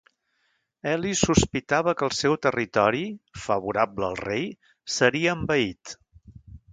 Elis sospitava que el seu territori, favorable al rei, seria envaït.